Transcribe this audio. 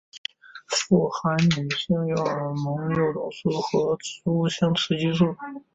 富含女性荷尔蒙诱导素和植物性雌激素。